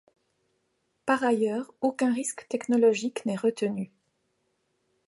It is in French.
Par ailleurs, aucun risque technologique n'est retenu.